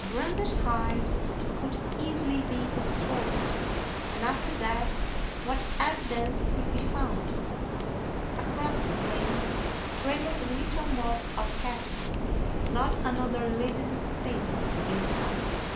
A branded hide could easily be destroyed, and after that, what evi dence could be found? Across the plain trailed the little mob of cattle; not another living thing in sight.